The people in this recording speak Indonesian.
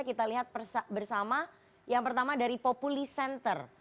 kita lihat bersama yang pertama dari populi center